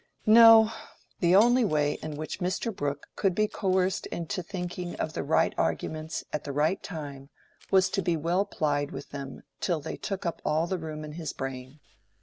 No! the only way in which Mr. Brooke could be coerced into thinking of the right arguments at the right time was to be well plied with them till they took up all the room in his brain.